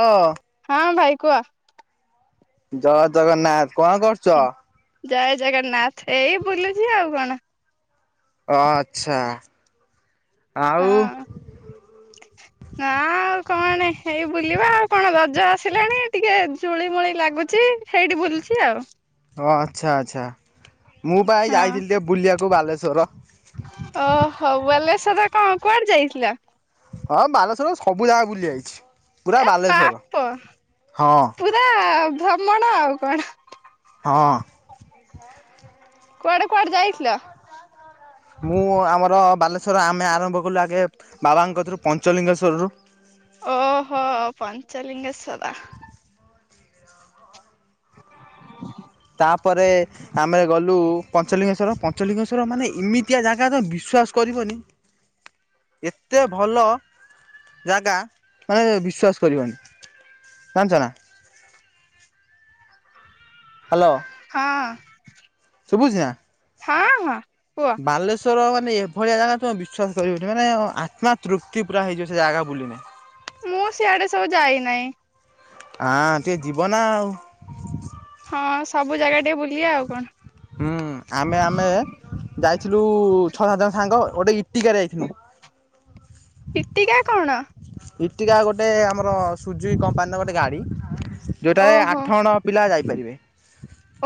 ଓ ହଁ ଭାଇ କୁହ? ଜୟ ଜଗନ୍ନାଥ କଣ କରୁ ଜୟ ଜଗନ୍ନାଥ। ଏଇ ବୁଲୁଛି ଆଉ କଣ? ଓ ଆଛା ଆଉ [inaudible] ନା ଆଉ କଣ ଏଇ ବୁଲିବା ଆଉ କଣ? ରଜ ଆସିଲାଣି ଟିକେ ଜୁଳି ମୂଳି ଲାଗୁଛି ସେଇଠି ବୁଲୁଛି ଆଉ- ହ ଆଛା ଆଛା, ମୁଁ ପା ଏଇ ହଁ ଯାଇଥିଲି ଟିକେ ବୁଲିବାକୁ ବାଲେଶ୍ୱର। ଓ ହଉ, ବାଲେଶର କଣ କୁଆଡେ ଯାଇଥିଲ? ହଁ ବାଲେଶର ସବୁ ଜାଗା ବୁଲି ଆଇଛି, ପୁରା ଏ ବାଲେଶର, ବାପ ହଁ ଅ ଭ୍ରମଣ ଆଉ କଣ? ହଁ କୁଆଡେ କୁଆଡେ ଯାଇଥିଲ? ମୁଁ ଆମର ବାଲେଶ୍ଵର ଆମେ ଆରମ୍ଭ କଲୁ ଆଗେ, ବାବାଙ୍କ କଥିରୁ ପଞ୍ଚଲିଙ୍ଗେଶ୍ୱରରୁ ଓହୋ ପଞ୍ଚଲିଙ୍ଗେଶର। ତା ପରେ ଆମେ ଗଲୁ ପଞ୍ଚଲିଙ୍ଗେଶ୍ୱର ପଞ୍ଚଲିଙ୍ଗେଶ୍ୱର ର ମାନେ ଏମିତିଆ ଜାଗା ତ ବିଶ୍ୱାସ କରିବନି? ଏତେ ଭଲ ଜାଗା, ମାନେ ବିଶ୍ୱାସ କରିବନି, ଜାଣିଛ ନା? ହାଲୋ ହଁ ଅ ଶୁବୁଛି ନା? ହଁ ହଁ କୁହ? ବାଲେଶ୍ୱର ମାନେ ଏଭଳିଆ ଜାଗା, ତୁମେ ବିଶ୍ୱାସ କରିବନି, ମାନେ ଆତ୍ମାତୃପ୍ତି ପୁରା ହେଇଯିବ ସେ ଜାଗା ବୁଲିଲେ। ମୁଁ ସିଆଡେ ସବୁ ଯାଇନାହିଁ। ହାଁ, ଟିକେ ଯିବ ନା ଆଉ ହଁ ସବୁ ଜାଗା ଟିକେ ବୁଲିବା ଆଉ କଣ? ହୁଁ ଆମେ ଆମେ ଯାଇଥିଲୁ ଛଅ ସାତ ଜଣ ସାଙ୍ଗ, ଗୋଟେ ଇଟିକାରେ ଯାଇଥିଲୁ। ଫିଟିକା କଣ? ଇଠିକା ଗୋଟେ ଆମର ସୁଜିକି କମ୍ପାନୀର ଗୋଟେ ଗାଡି। ଯେଉଁଠାରେ ଆଠ ଓହୋ ଜଣ ପିଲା ଯାଇପାରିବେ।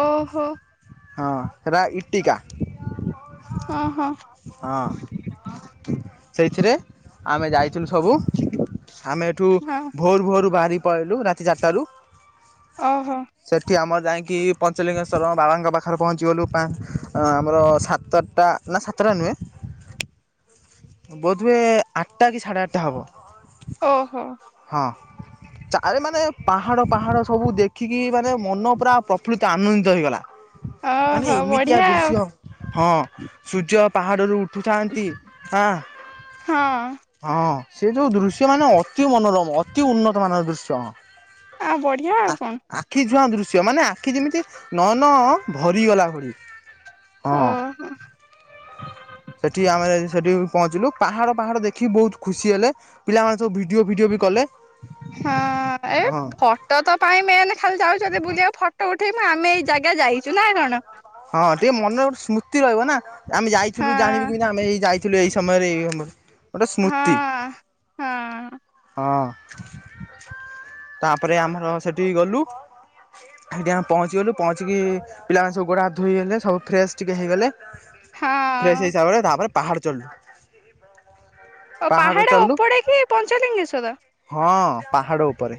ଓହୋ। ହଁ ହେରା ଇଟିକା। ଓହୋ। ହଁ ସେଇଥିରେ ଆମେ ଯାଇଥିଲୁ ସବୁ ଆମେ ଏଠୁ ହଁ ଭୋରୁ ଭୋରୁ ବାହାରି ପଲେଇଲୁ ରାତି ଟି ଚାରି ଟାରୁ ଓହୋ। ସେଠି ଆମର ଯାଇକି ପଞ୍ଚଲିଙ୍ଗେଶ୍ୱରଙ୍କ ବାବାଙ୍କ ପାଖରେ ପହଞ୍ଚିଗଲୁ ପା ଆମର ସାତଟା ତା ନା ସାତେଟା ନୁହେଁ ବୋଧହୁଏ ଆଠଟା କି ସାଢ଼େ ଆଠଟା ହେବ। ଓହୋ। ହଁ ଚ ମାନେ ପାହାଡ ପାହାଡ ସବୁ ଦେଖିକି ମାନେ ମନ ପୁରା ପ୍ରଫୁ ଆନନ୍ଦିତ ହେଇଗଲା ମାନେ ଓହୋ ଏମିତିଆ ବଢିଆ ଆଉ ଦୃଶ୍ୟ ହଁ ସୂର୍ଯ୍ୟ ପାହାଡ଼ରୁ ଉଠୁଥାନ୍ତି ହଁ ହଁ। ହଁ ସେ ଯୋଉ ଦୃଶ୍ୟ ମାନେ ଅତି ମନୋରମ ଅତି ଉନ୍ନତ ମାନର ଦୃଶ୍ୟ ହଁ ଆଉ ବଢ଼ିଆ ଆ ଆଉ କଣ ଆଖି ଛୁଆଁ ଦୃଶ୍ୟ ମାନେ ଆଖି ଯେମିତି ନୟନ ଭରିଗଲା ଭଳି ହଁ ଓ ସେଠି ଆମେ ସେଠି ପହଞ୍ଚିଲୁ ପାହାଡ ପାହାଡ ଦେଖି ବହୁତ ଖୁସି ହେଲେ ପିଲାମାନେ ସବୁ ଭିଡ଼ିଓ ଫିଡ଼ିଓ ବି କଲେ ହଁ ସେଟା ପାଇଁ ତ ମେନେ ଖାଲି ଯାଉଛନ୍ତି ବୁଲିବାକୁ ଫଟୋ ଉଠେଇବୁ ଆମେ ଏଇ ଜାଗା ଯାଇଛୁ ନା କଣ ହଁ ଟିକେ ମନରେ ଗୋଟ ସ୍ମୃତି ରହିବ ନା ଆମେ ହଁ ଯାଇଥିଲୁ ଜାଣିବି କି ଆମେ ଏଇ ଯାଇ ଥିଲ ଏଇ ସମୟରେ ଗୋଟେ ସ୍ମୃତି ହଁ ହଁ ହଁ ତାପରେ ଆମର ସେଠି ଗଲୁ ସେଠି ପହଞ୍ଚିଗଲୁ ପହଞ୍ଚିକି ପିଲାମାନେ ସବୁ ଗୋଡ଼ା ହାତ ଧୋଇଗଲେ ସବୁ ଫ୍ରେଶ୍ ଟିକିଏ ହେଇଗଲେ ଫ୍ରେଶ ହଁ ହିସାବରେ ତାପରେ ପାହାଡ ଚଢିଲୁ ଓ ପାହାଡ ଉପଡେ କି ପଞ୍ଚଲିଙ୍ଗେଶ୍ୱର ହଁ ପାହାଡ ଉପରେ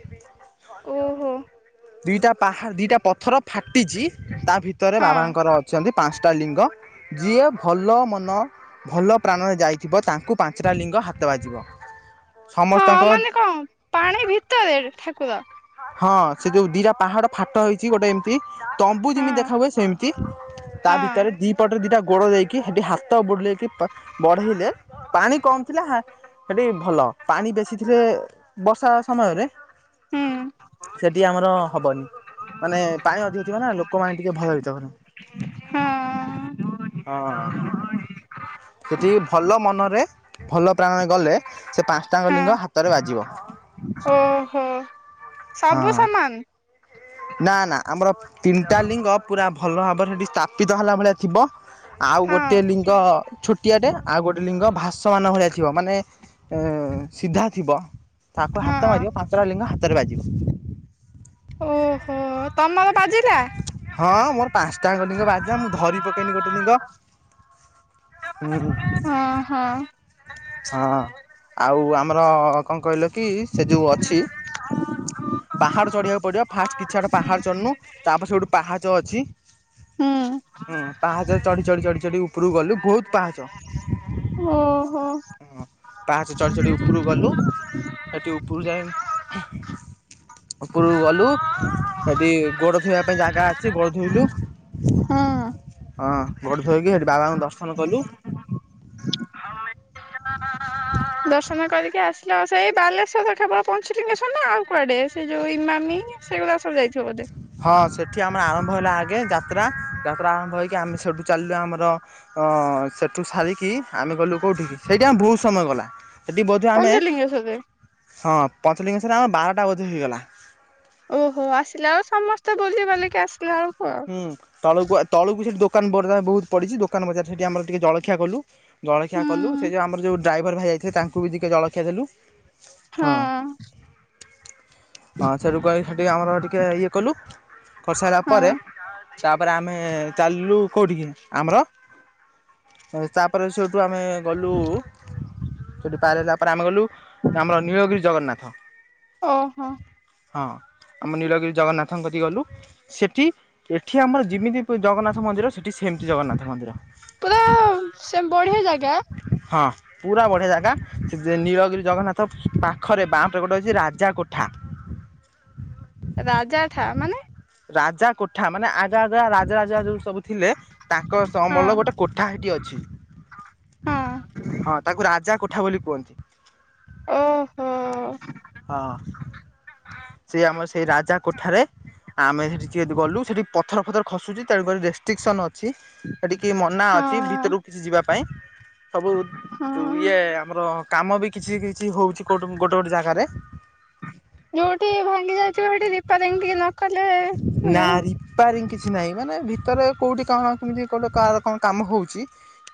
ଓହୋ ଦିଟା ପାହା ଦିଟା ପ ପଥର ଫାଟିଛି ତା ଭିତରେ ହଁ ବାବାଙ୍କର ଛନ୍ତି ପାଞ୍ଚଟା ଲିଙ୍ଗ ଯିଏ ଭଲ ମନ ଭଲ ପ୍ରାଣରେ ଯାଇଥିବ ତାଙ୍କୁ ପାଞ୍ଚଟା ଲିଙ୍ଗ ହାତ ବାଜିବ। ହଁ ସମସ୍ତଙ୍କ ମାନେ କଣ ପାଣି ଭିତରେ ଠାକୁର? ହଁ ସେ ଯୋଉ ଦିଟା ପାହାଡ ଫାଟ ହେଇଛି ଗୋଟେ ଏମତି ତମ୍ବୁ ହଁ ଯେମିତି ଦେଖା ହୁଏ ସେମିତି ତା ହଁ ଭିତରେ ଦି ପଟରେ ଦିଟା ଗୋଡ ଦେଇକି କି ହେଠି ହାତ ବୁଲେଇକି ବଢେଇଲେ ପାଣି କମ ଥିଲା ସେଠି ଭଲ ପାଣି ବେଶି ଥିଲେ ବର୍ଷା ସମୟରେ ହଁ। ସେଠି ଆମର ହବନି ମାନେ ପାଣି ଅଧିକ ଥିବ ନା ଲୋକମାନେ ଟିକେ ଭୟଭୀତ ହଁ ହେବେ। ହଁ। ସେଠି ଭଲ ମନରେ ଭଲ ପ୍ରାଣରେ ଗଲେ ସେ ପାଞ୍ଚଟାଙ୍ଗ ହଁ ଲିଙ୍ଗ ହାତରେ ବାଜିବ। ଓହୋ ହଁ ସବୁ ସମାନ? ନା ନା ଆମର ତିନିଟା ଲିଙ୍ଗ ପୁରା ଭଲ ଭାବରେ ସେଇଠି ସ୍ଥାପିତ ହେଲା ଭଳିଆ ଥିବ ଆଉ ଗୋଟେ ହଁ ଲିଙ୍ଗ ଛୋଟିଆଟେ ଆଉ ଗୋଟେ ଲିଙ୍ଗ ଭାସମାନ ଭଳିଆ ଥିବ ମାନେ ଏ ସିଧା ଥିବ ତାକୁ ହାତ ହଁ ମାରିବ ପାଞ୍ଚଟା ଲିଙ୍ଗ ହାତରେ ବାଜିବ ଓହୋ ତମର ବାଜିଲା? ହଁ ମୋର ପାଞ୍ଚଟାଙ୍କ ଲିଙ୍ଗ ବାଜିଲା ମୁଁ ଧରି ପକେଇନି ଗୋଟେ ଲିଙ୍ଗ ହୁଁ [unintelligible] ହଁ ହଁ। ସାଆ ଆ ଆଉ ଆମର କଣ କହିଲୁ? କି ସେ ଯେଉଁ ଅଛି ପାହାଡ଼ ଚଢ଼ିବାକୁ ପଡ଼ିବ। ଫାଷ୍ଟ କିଛିଆଡେ ପାହାଡ଼ ଚଢନୁ ତାପରେ ସେଠୁ ପାହାଚ ଅଛି ହୁଁ। ହୁଁ ପାହାଚ ଚଢି ଚଢି ଚଢି ଚଢି ଉପରକୁ ଗଲୁ ବହୁତ ପାହାଚ। ହୁଁ ହୁଁ। ହଁ ପାହାଚ ଚଢ଼ି ଚଢ଼ି ଉପରୁ ଗଲୁ ସେଠି ଉପରୁ ଯାଇ ଉପରକୁ ଗଲୁ ସେଠି ଗୋଡ ଧୋଇବା ପାଇଁ ଜାଗା ଅଛି ଗୋଡ ଧୋଇଲୁ ହୁଁ। ହଁ ଗୋଡ ଧୋଇକି ସେଠି ବାବାଙ୍କୁ ଦର୍ଶନ କଲୁ। ଦର୍ଶନ କରିକି ଆସିଲା ଆ ସେଇ ବାଲେଶ୍ଵର କେବଳ ପଞ୍ଚଲିଙ୍ଗେଶ୍ୱର ନା ଆଉ କୁଆଡେ ସେ ଯୋଉ ଇମାମି ସେଗୁରାକ ସବୁ ଯାଇଥିବ ବୋଧେ? ହଁ ସେଠି ଆମର ଆରମ୍ଭ ହେଲା ଆଗେ ଯାତ୍ରା ଯାତ୍ରା ଆରମ୍ଭ ହେଇକି ଆମେ ସେଠୁ ଚାଲିଲୁ ଆମର ଅ ସେଠୁ ସାରିକି ଆମେ ଗଲୁ କୋଉଠିକି ସେଇଠି ଆମେ ବହୁତ ସମୟ ଗଲା ସେଠି ବୋଧ ଆମେ ପଞ୍ଚଲିଙ୍ଗେଶ୍ଵରରେ ହଁ ପଞ୍ଚଲିଙ୍ଗସ୍ୱର ଆମର ବାରଟା ବୋଧେ ହେଇଗଲା ଓହୋ ଆସିଲା ବେଳେ ସମସ୍ତେ ବୁଲି ବାଲିକି ଆସିଲେ ବେଳକୁ ହୁଁ ତଳକୁ ତଳକୁ ସେଠି ଦୋକାନ ବଜାର ବହୁତ ପଡିଛି ଦୋକାନ ବଜାରାରେ ସେଠି ଆମର ଟିକେ ଜଳଖିଆ କଲୁ ଜଳଖିଆ କଲୁ ସେ ହୁଁ ଯେଉଁ ଆମର ଯେଉଁ ଡ୍ରାଇଭର ଭାଇ ଯାଇଥିଲେ ତାଙ୍କୁ ବି ଟିକେ ଜଳଖିଆ ଦେଲୁ ହଁ। ହଁ ସେଠୁ କ ହେଠୁକୁ ଆମର ଟିକେ ଇଏ କଲୁ କରିସାରିଲା ପରେ ହଁ ତାପରେ ଆମେ ଚାଲିଲୁ କୋଉଠିକି ଆମର ତାପରେ ସେଇଠୁ ଆମେ ଗଲୁ ସେଠି ପାର ହେଲା ପରେ ଆମେ ଗଲୁ ଆମର ନିଳଗିରି ଜଗନ୍ନାଥ ଓହୋ ହଁ ଆମ ନୀଳଗିରି ଜଗନ୍ନାଥଙ୍କ ଠି ଗଲୁ ସେଠି ଏଠି ଆମର ଯେମିତି ଜଗନ୍ନାଥ ମନ୍ଦିର ସେଠି ସେମିତି ଜଗନ୍ନାଥ ମନ୍ଦିର ପା ସେ ବଢିଆ ଜାଗା। ହଁ ପୁରା ବଢ଼ିଆ ଜାଗା ସେ ନୀଳଗିରି ଜଗନ୍ନାଥ ପାଖରେ [unintelligible] ରାଜା କୋଟ ରାଜା ଠା ମାନେ ରାଜା କୋଠା ମାନେ ଆଗା ଆଗା ରାଜା ରାଜା ଯୋଉ ସବୁ ଥିଲେ ତାଙ୍କ ସ ଅମଳ ହଁ ର ଗୋଟେ କୋଠା ହେଠି ଅଛି ହଁ ହଁ ତାକୁ ରାଜା କୋଠା ବୋଲି କୁହନ୍ତି। ଓହୋ। ହଁ ସେ ଆମ ସେଇ ରାଜା କୋଠାରେ ଆମେ ସେଠି ଯେହେତୁ ଗଲୁ ସେଠି ପଥର ପଥର ଖସୁଛି ତେଣୁ କରି ରେଷ୍ଟ୍ରିକ୍ସନ ଅଛି ଛି ସେଠିକି ମନା ଅଛି ହଁ ଭିତରକୁ କିଛି ଯିବା ପାଇଁ ସବୁ ହଁ ଇଏ ଆମର କାମ ବି କିଛି କିଛି ହଉଛି କୋଟେ ଗୋଟେ ଗୋଟେ ଜାଗାରେ ଯୋଉଠି ଭାଙ୍ଗି ଯାଇଥିବ ସେଇଠି ରିପାରିଙ୍ଗ ଟିକେ ନ କଲେ ମାନେ ନା ରିପାରିଙ୍ଗ କିଛି ନାହିଁ ମାନେ ଭିତରେ କେଉଁଠି କ ଣ କେମିତି କେଉଁଟି କାହାର କଣ କାମ ହେଉଛି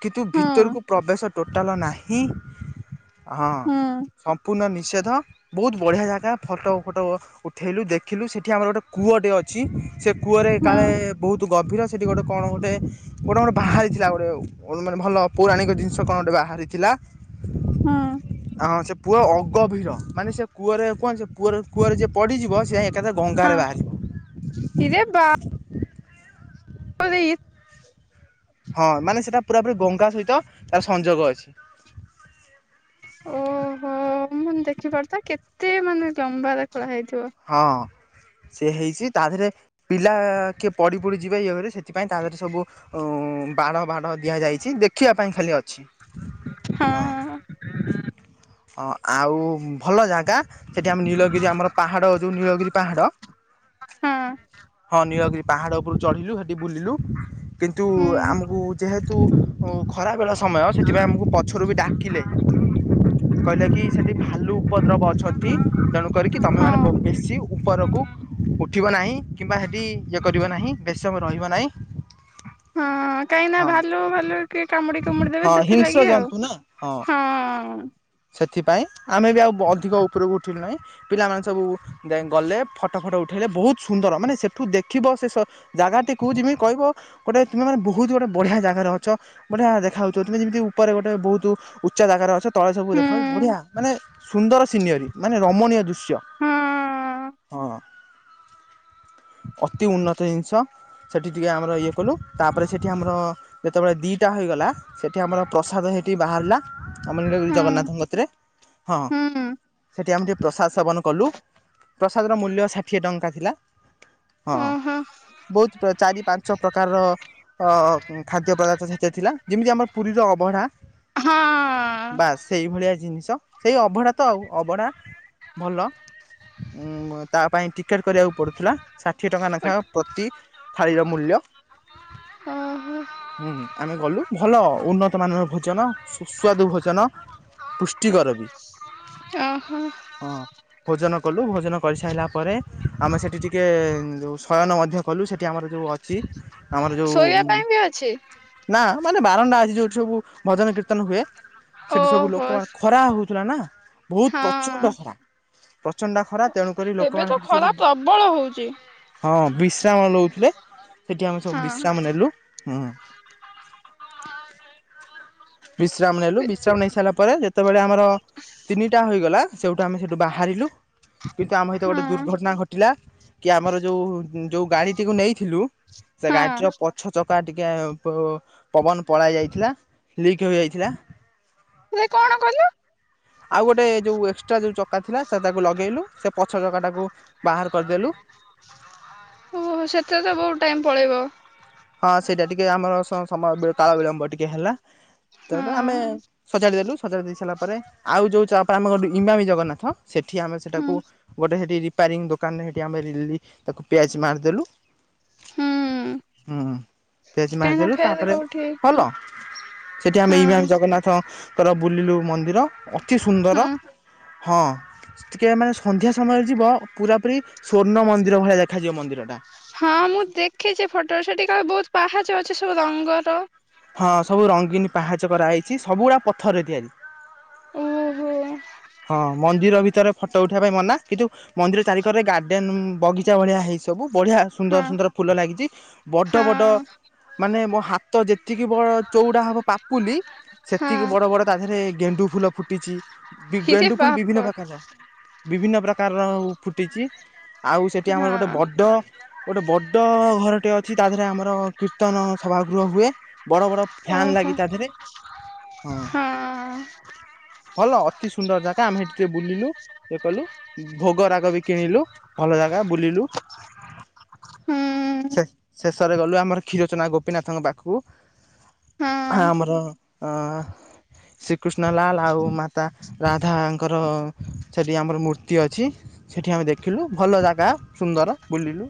କିନ୍ତୁ ହୁଁ ଭିତରକୁ ପ୍ରବେଶ ଟୋଟାଲ ନାହିଁ ହଁ ହୁଁ ସମ୍ପୂର୍ଣ୍ଣ ନିଷେଧ। ବହୁତ ବଢ଼ିଆ ଜାଗା ଫଟୋ ଫଟୋ ଉଠେଇଲୁ ଦେଖିଲୁ ସେଠି ଆମର ଗୋଟେ କୂଅଟେ ଅଛି ଅଛି ସେ କୂଅରେ ହୁଁ କାଳେ ବହୁତ ଗଭୀର ସେଠି ଗୋଟେ କଣ ଗୋଟେ ଗୋଟେ କଣ ବାହାରିଥିଲା ଗୋଟେ ମାନେ ଭଲ ପୌରାଣିକ ଜିନିଷ କଣ ଗୋଟେ ବାହାରିଥିଲା ହୁଁ। ହଁ ସେ ପୁଅ ଅଗଭୀର ମାନେ ସେ କୂଅରେ କୁହ ସେ ପୁଅ କୂଅରେ ଯିଏ ପଡିଯିବ ସେ ଏକାଥରେ ଗଙ୍ଗାରେ ବାହାରିବ। ହିରେ ବାପ [unintelligible] ହଁ ମାନେ ସେଟା ପୁରା ପୁରି ଗଙ୍ଗା ସହିତ ତାର ସଂଯୋଗ ଅଛି। ଓହୋ ମୁଁ ଦେଖିପାରୁଥା କେତେ ମାନେ ଲମ୍ବାରେ ଖୋଳା ହେଇଥିବ। ହଁ ସେ ହେଇଛି ତା ଦେହରେ ପିଲା କିଏ ପଢି ପଢି ଯିବେ ଇଏରେ ସେଥିପାଇଁ ତା ଦେହରେ ସବୁ ବାଡ଼ ବାଡ଼ ଦିଆଯାଇଛି ଦେଖିବା ପାଇଁ ଖାଲି ଅଛି ହଁ। [unintelligible] ହଁ ଆଉ ଭଲ ଜାଗା ସେଠି ଆମ ନୀଳଗିରି ଆମର ପାହାଡ ଯୋଉ ନୀଳଗିରି ପାହାଡ ହଁ ହଁ ନୀଳଗିରି ପାହାଡ଼ ଉପରୁ ଚଢ଼ିଲୁ ସେଠି ବୁଲିଲୁ କିନ୍ତୁ ହୁଁ ଆମକୁ ଯେହେତୁ ହଉ ଖରା ବେଳ ସମୟ ସେଥିପାଇଁ ଆମକୁ ପଛରୁ ବି ଡାକିଲେ କହିଲା କି ସେଠି ଭାଲୁ ଉପଦ୍ରବ ଅଛନ୍ତି ତେଣୁ କରିକି ତମେ ହଁ ମାନେ ବେଶୀ ଉପରକୁ ଉଠିବ ନାହିଁ କିମ୍ବା ସେଠି ଇଏ କରିବ ନାହିଁ ବେଶ ସମୟ ରହିବ ନାହିଁ। ହଁ କାହିଁକି ନା ହଁ ଭାଲୁ ଭାଲୁ କିଏ କାମୁଡି କୁମୁଡି ଦେବେ ସେଥିଲାଗି ଆଉ ଯନ୍ତୁ ନା ହଁ। ହଁ। ସେଥିପାଇଁ ଆମେ ବି ଆଉ ଅଧିକ ଉପରକୁ ଉଠିଲୁ ନାହିଁ ପିଲାମାନେ ସବୁ ଗଲେ ଫଟୋ ଫଟ ଉଠେଇଲେ ବହୁତ ସୁନ୍ଦର ମାନେ ସେଠୁ ଦେଖିବ ସେ ଜାଗାଟିକୁ ଯେମିତି କହିବ ଗୋଟେ ତୁମେ ମାନେ ବହୁତ ଗୋଟେ ବଢ଼ିଆ ଜାଗାରେ ଅଛ ବଢିଆ ଦେଖା ଯାଉଥିବ ତୁମେ ଯେମିତି ଉପରେ ଗୋଟେ ବହୁତ ଉଚା ଜାଗାରେ ଅଛ ତଳେ ସବୁ ଦେଖ ହୁଁ ବଢିଆ ମାନେ ସୁନ୍ଦର ସିନେରି ମାନେ ରମଣୀୟ ଦୁଷ ଦୂର୍ଷ୍ୟ ହଁ ହଁ ଅତି ଉନ୍ନତ ଜିନିଷ। ସେଠି ଟିକେ ଆମର ଇଏ କଲୁ ତାପରେ ସେଠି ଆମର ଯେତେବେଳେ ଦିଇଟା ହୋଇଗଲା ସେଠି ଆମର ପ୍ରସାଦ ସେଇଠି ବାହାରିଲା ଆମେ ସେଠି ଜଗନ୍ନାଥଙ୍କ ହୁଁ କତିରେ ହୁଁ ସେଠି ଆମେ ଟିକେ ପ୍ରସାଦ ସେବନ କଲୁ ପ୍ରସାଦର ମୂଲ୍ୟ ଷାଠିଏ ଟଙ୍କା ଥିଲା। ହଁ ଓହୋ ବହୁତ ଚାରି ପାଞ୍ଚ ପ୍ରକାରର ଅ ଖାଦ୍ୟ ପଦାର୍ଥ ସେତେରେ ଥିଲା ଯେମିତି ଆମର ପୁରୀର ଅଭଢା ହଁ ବାସ ସେଇ ଭଳିଆ ଜିନିଷ ସେଇ ଅଭଢା ତ ଆଉ ଅଭଢ଼ା ଭଲ ଉଁ ତା ପାଇଁ ଟିକେଟ କରିବାକୁ ପଡୁଥିଲା। ଷାଠିଏ ଟଙ୍କା ଲେଖାଏ ପ୍ରତି ଥାଳିର ମୂଲ୍ୟ। ହଁ ହଁ। ହୁଁ ଆମେ ଗଲୁ ଭଲ ଉନ୍ନତ ମାନର ଭୋଜନ ସୁସ୍ୱାଦୁ ଭୋଜନ ଜନ ପୁଷ୍ଟିକର ବି। ଓହୋ ହଁ ଭୋଜନ କଲୁ ଭୋଜନ କରି ସାରିଲା ପରେ। ଆମେ ସେଠି ଟିକେ ଯୋଉ ଶୟନ ମଧ୍ୟ କଲୁ ସେଠି ଆମର ଯୋଉ ଅଛି। ଆମର ଶୋଇବା ଯୋଉ ପାଇଁ ବି ଅଛି ନା ମାନେ ବାରଣ୍ଡା ଆଜି ଯୋଉଠି ସବୁ ଭଜନ କୀର୍ତ୍ତନ ହୁଏ। ସେଠି ସବୁ ଓହୋ ଲୋକମାନୋନ ଖରା ହଉଥିଲା ନା ବହୁତ ପ୍ରଚଣ୍ଡ ହଁ। ଖରା। ପ୍ରଚଣ୍ଡା ଖରା ତେଣୁ କରି ଲୋକମାନେ ସେଠି ସବୁ ରଖୁଛି। ହଁ ବିଶ୍ରାମ ନଉଥିଲେ ସେଠି ଆମେ ସବୁ ହଁ ବିଶ୍ରାମ ନେଲୁ। ହୁଁ ବିଶ୍ରାମ ନେଲୁ ବି ବିଶ୍ରାମ ନେଇ ସାରିଲା ପରେ ଯେତେବେଳେ ଆମର ତିନିଟା ହେଇଗଲା ସେଇଠୁ ଆମେ ସେଠୁ ବାହାରିଲୁ। କିନ୍ତୁ ଆମ ସହିତ ଗୋଟେ ହଁ ଦୁର୍ଘଟଣା ଘଟିଲା। କି ଆମର ଯୋଉ ଯୋଉ ଗାଡିଟିକୁ ନେଇଥିଲୁ। ସେ ହଁ। ଗାଡିଟିର ପଛ ଚକା ଟିକେ ପ ପବନ ପଳାଇ ଯାଇଥିଲା ଲିକ ହେଯାଇଥିଲା। ହୁଏ କଣ କରିଲ। ଆଉ ଗୋଟେ ଯେଉଁ ଏକ୍ସଟ୍ରା ଯେଉଁ ଚକା ଥିଲା ସେ ତାକୁ ଲଗେଇଲୁ ସେ ପଛ ଚକାଟାକୁ ବାହାର କରିଦେଲୁ। ଓହୋ ସେଥିରେ ତ ବହୁତ ଟାଇମ ପଳେଇବ। ହଁ ସେଇଟା ଟିକେ ଆମର ସମ ସମୟ କାଳ ବିଳମ୍ବ ଟିକେ ହେଲା। ତାପରେ ଆମେ ହଁ ସଜାଡ଼ି ଦେଲୁ ସଜାଡ଼ି ଦେଇ ସାରିଲା ପରେ ଆଉ ଯେଉଁ ଚା ପା ଆମ ଇବାମୀ ଜଗନ୍ନାଥ। ସେଠି ଆମେ ହୁଁ ସେଟାକୁ ଗୋଟେ ସେଠି ରିପାରିଂ ଦୋକାନରେ ସେଠି ଆମେ ତାକୁ ପିଆଜ୍‌ ମାରିଦେଲୁ। ହୁଁ। ହୁଁ ହୁଁ ପିଆଜ୍‌ କାହିଁକିନା ମାରିଦେଲୁ ଫେରେ ତାପରେ କୋଉଠି ଭଲ ସେଠି ଆମେ ହଁ ଇବାମ୍ ଜଗନ୍ନାଥ। ହଁ ତର ବୁଲିଲୁ ମନ୍ଦିର ଅତି ସୁନ୍ଦର ହଁ ହଁ। ସେଠିକି ଟିକେ ଏ ମାନେ ସନ୍ଧ୍ୟା ସମୟରେ ଯିବ ପୁରା ପୁରି ସ୍ଵର୍ଣ୍ଣ ମନ୍ଦିର ଭଳିଆ ଦେଖାଯିବ ମନ୍ଦିରଟା। ହଁ ମୁଁ ଦେଖିଚି ଫଟରେ ସେଠି କାଳେ ବହୁତ ପାହାଚ ଅଛି ସବୁ ରଙ୍ଗର। ହଁ ସବୁ ରଙ୍ଗୀନ୍ ପାହାଚ କରାହେଇଚି ସବୁଗୁଡା ପଥରରେ ତିଆରି।। ଓ ହୋ। ହଁ ମନ୍ଦିର ଭିତର ଫଟ ଉଠେଇବା ପାଇଁ ମନା କିନ୍ତୁ ମନ୍ଦିର ଚାରିିକରରେ ଗାର୍ଡ଼େନ ବଗିଚା ଭଳିଆ ହେଇଚି ସବୁ ବଢ଼ିଆ ହଁ ସୁନ୍ଦର ସୁନ୍ଦର ଫୁଲ ଲାଗିଚି। ବଡ ବଡ ମାନେ ମୋ ହାତ ଯେତିକି ବଡ ଚଉଡା ହବ ପାପୁଲି ସେତିକି ହଁ ବଡ ବଡ ତା ଦେହରେ ଗେଣ୍ଡୁ ଫୁଲ ଫୁଟିଚି ହିରେ ଗେଣ୍ଡୁ ପୁଣି ବିଭିନ୍ନ ବାପ ପ୍ରକାରର। ବିଭିନ୍ନ ପ୍ରକାରର ଫୁଟିଚି ଆଉ ସେଠି ହଁ ଆମର ଗୋଟେ ବଡ ଗୋଟେ ବଡ ଘରଟେ ଅଛି ତା ଦେହରେ ଆମର କୀର୍ତ୍ତନ ସଭାଗୃହ ହୁଏ। ବଡ ବଡ ଓହୋ ଫ୍ୟାନ୍ ଲାଗି ତା ଦେହରେ ହଁ। ଭଲ ଅତି ସୁନ୍ଦର ଜାଗା ଆମେ ହେଠି ଟିକେ ବୁଲିଲୁ ଇଏ କଲୁ ଭୋଗରା ଲବି କିଣିଲୁ ଭଲ ଜାଗା ବୁୁଲିଲୁ ହୁଁ। ସେ ଶେଷ ଥରେ ଗଲୁ ଆମର କ୍ଷୀରଚନା ଗୋପୀନାଥଙ୍କ ପାଖୁ ହଁ ଆମର ଅଁ ଶ୍ରୀକୃଷ୍ଣ ଲାଲ୍ ଆଉ ମାତା ରାଧା ଙ୍କର ସେଠି ଆମର ମୂର୍ତ୍ତି ଅଛି। ସେଠି ଆମେ ଦେଖିଲୁ ଭଲ ଜାଗା ସୁନ୍ଦର ବୁଲିଲୁ।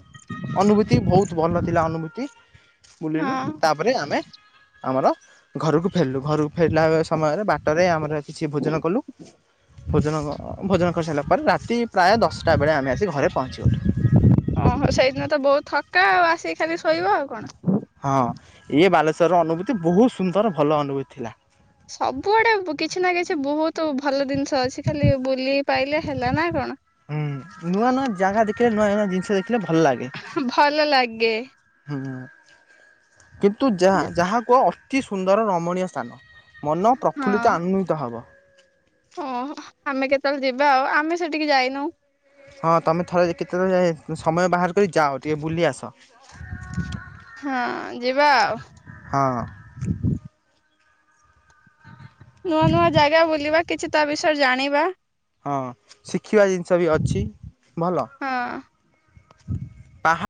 ଅନୁଭୂତି ବହୁତ ଭଲ ଥିଲା ଅନୁଭୂତି ବୁଲିଲୁ ହଁ ତାପରେ ଆମେ ଆମର ଘରକୁ ଫେରିଲୁ ଘରକୁ ଫେରିଲା ସମୟରେ ବାଟରେ ଆମର କିଛି ଭୋଜନ କଲୁ। ଭୋଜନ ଭୋଜନ କରିସାରିଲା ପରେ ରାତି ପ୍ରାୟ ଦଶଟା ବେଳେ ଆମେ ଆସି ଘରେ ପହଞ୍ଚିଗଲୁ। ଓହୋ ସେଇଦିନ ତ ବହୁତ ଥକା ଆଉ ଆସିକି ଖାଲି ଶୋଇବ ଆଉ କଣ। ହଁ ଇଏ ବାଲେଶ୍ୱର ଅନୁଭୂତି ବହୁତ ସୁନ୍ଦର ଭଲ ଅନୁଭୂତି ଥିଲା। ସବୁଆଡେ ବୁ କିଛି ନା କିଛି ବହୁତୁ ଭଲ ଜିନିଷ ଅଛି ଖାଲି ବୁଲି ପାଇଲେ ହେଲା ନା କଣ? ହୁଁ ନୂଆଁ ନୂଆଁ ଜାଗା ଦେଖିଲେ ନୂଆଁ ନୂଆଁ ଜିନିଷ ଦେଖିଲେ ଭଲ ଲାଗେ। ହଁ ଭଲ ଲାଗେ। ହୁଁ କିନ୍ତୁ ଯା ଯେ- ଯାହା କୁହ ଅ ଅତି ସୁନ୍ଦର ରମଣୀୟ ସ୍ଥାନ ମନ ପ୍ରଫୁଲ୍ଲିତ ଆନନ୍ଦିତ ହବ। ହଁ ଆମେ କେତେବେଳେ ଯିବା ଆଉ ଆମେ ସେଠିକି ଯାଇନୁ। ହଁ ତମେ ଥରେ କେତେବେଳେ ଯାଏ ସମୟ ବାହାର କରି ଯାଅ ଟିକେ ବୁଲି ଆସ। ହଁ ଯିବା ଆଉ। ହଁ। ନୂଆଁ ନୂଆଁ ଜାଗା ବୁଲିବା କିଛି ତା ବିଷୟରେ ଜାଣିବା। ହଁ ଶିଖିବା ଜିନିଷ ବି ଅଛି ଭଲ। ହଁ। ପାହାଡ଼